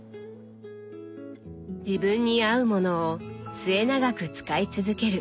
自分に合うものを末永く使い続ける。